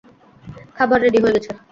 খাবার রেডি হয়ে গেছে।